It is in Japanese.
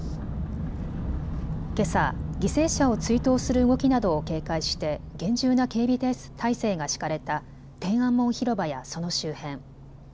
けさ犠牲者を追悼する動きなどを警戒して厳重な警備態勢が敷かれた天安門広場やその周辺。